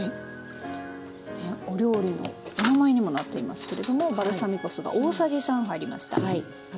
お料理のお名前にもなっていますけれどもバルサミコ酢が大さじ３入りました。